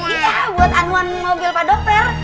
iya buat anuan mobil pak dokter